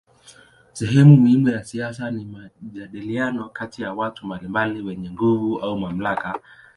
Sehemu muhimu ya siasa ni majadiliano kati ya watu mbalimbali wenye nguvu au mamlaka.